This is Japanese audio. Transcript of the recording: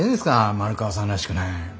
丸川さんらしくない。